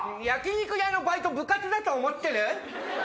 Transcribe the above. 焼き肉屋のバイト部活だと思ってる？